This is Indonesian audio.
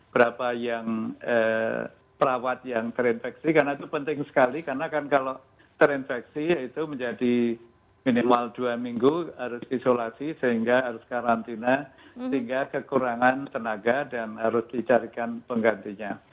berapa yang perawat yang terinfeksi karena itu penting sekali karena kan kalau terinfeksi itu menjadi minimal dua minggu harus isolasi sehingga harus karantina sehingga kekurangan tenaga dan harus dicarikan penggantinya